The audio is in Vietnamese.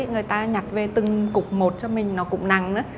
người ta nhặt về từng cục một cho mình nó cũng nặng